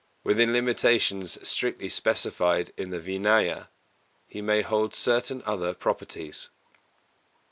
Within limitations strictly specified in the Vināya, he may hold certain other properties.